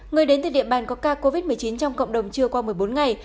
người đến từ địa bàn có ca covid một mươi chín trong cộng đồng chưa qua một mươi bốn ngày